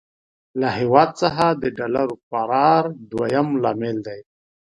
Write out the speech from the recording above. له هېواد څخه د ډالر فرار دويم لامل دی.